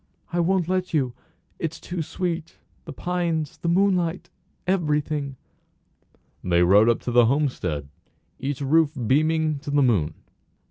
"I won't let you. It's too sweet the pines the moonlight everything." They rode up to the homestead, with each roof beaming to the moon.